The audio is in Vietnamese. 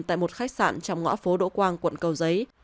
tại một khách sạn trong ngõ phố đỗ quang quận cầu giấy